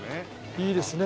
いいですね